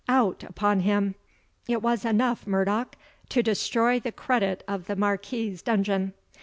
out upon him! It was enough, Murdoch, to destroy the credit of the Marquis's dungeon.